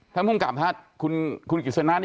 ถ้าผู้การพื้นกับค์คุณกรัฐสานท์